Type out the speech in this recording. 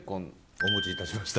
お持ちいたしました。